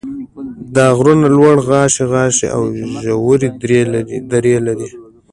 دا غرونه لوړ غاښي غاښي او ژورې درې لري.